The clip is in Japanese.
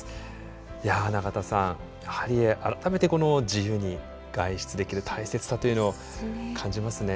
いや永田さんやはり改めて自由に外出できる大切さというのを感じますね。